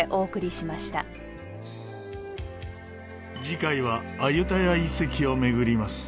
次回はアユタヤ遺跡を巡ります。